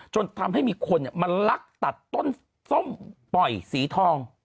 จนทำให้มีคนมาลักตัดต้นส้มปล่อยสีทอง